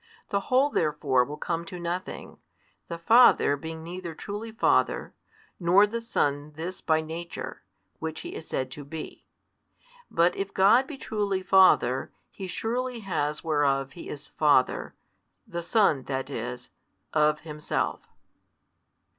The whole therefore will come to nothing; the Father being neither truly father, nor the Son this by Nature, which He is said to be. But if God be truly Father, He surely has whereof He is Father, the Son, that is, of Himself.